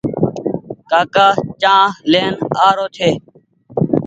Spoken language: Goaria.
ڪآڪآ چآنه لين آرو ڇي۔